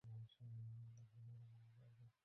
আমার কথা শোনেন, দয়া করে যান।